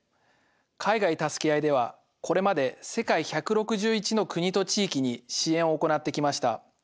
「海外たすけあい」ではこれまで世界１６１の国と地域に支援を行ってきました。